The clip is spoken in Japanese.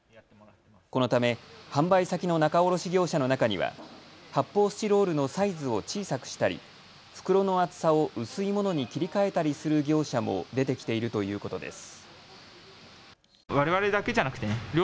このため、販売先の仲卸業者の中には発泡スチロールのサイズを小さくしたり袋の厚さを薄いものに切り替えたりする業者も出てきているということです。